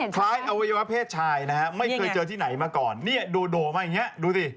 เขาใช้คำว่าโดออกมา